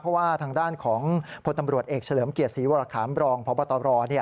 เพราะว่าทางด้านของพลตำรวจเอกเฉลิมเกียรติศรีวรคามรองพบตร